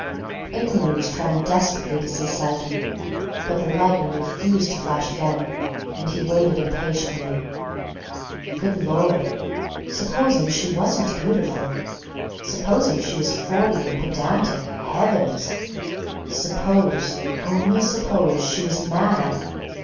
Amory was trying desperately to see Psyche, but the lightning refused to flash again, and he waited impatiently. Good Lord! supposing she wasn't beautiful—supposing she was forty and pedantic—heavens! Suppose, only suppose, she was mad.